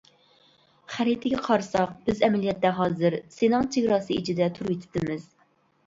خەرىتىگە قارىساق، بىز ئەمەلىيەتتە ھازىر سىناڭ چېگراسى ئىچىدە تۇرۇۋېتىپتىمىز.